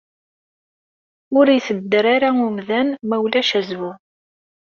Ur itedder ara umdan ma ulac azwu.